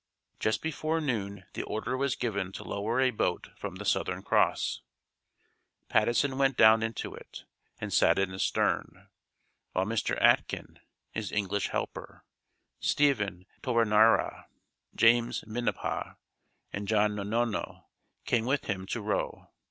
Just before noon the order was given to lower a boat from The Southern Cross. Patteson went down into it, and sat in the stern, while Mr. Atkin (his English helper), Stephen Taroniara, James Minipa, and John Nonono came with him to row.